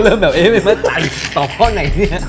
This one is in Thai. เริ่มแบบเอ๊ะไม่มีมาใจต่อข้อไหนเนี่ย